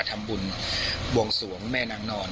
ทำบุญบวงสวงแม่นางนอน